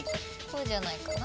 こうじゃないかな。